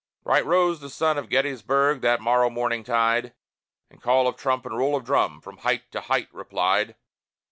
Bright rose the sun of Gettysburg that morrow morning tide, And call of trump and roll of drum from height to height replied.